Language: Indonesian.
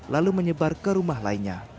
lalu menyebar ke rumah lainnya